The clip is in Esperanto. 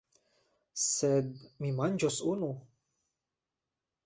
Sed mi manĝos unu!